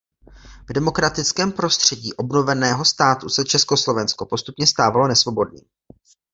V demokratickém prostředí obnoveného státu se Československo postupně stávalo nesvobodným.